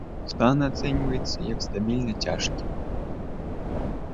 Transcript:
Стан ацэньваецца як стабільна цяжкі.